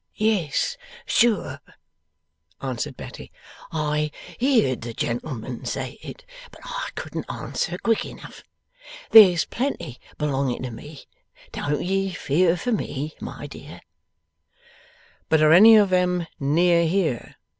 'Yes sure,' answered Betty. 'I heerd the gentleman say it, but I couldn't answer quick enough. There's plenty belonging to me. Don't ye fear for me, my dear.' 'But are any of 'em near here?